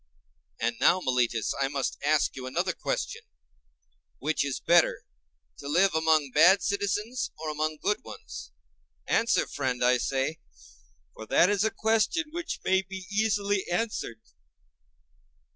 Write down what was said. And now, Meletus, I must ask you another question: Which is better, to live among bad citizens, or among good ones? Answer, friend, I say; for that is a question which may be easily answered.